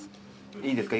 いいですね。